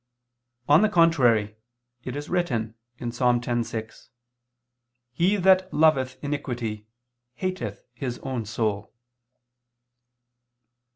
On the contrary, It is written (Ps. 10:6): "He that loveth iniquity, hateth his own soul."